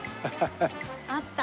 あった。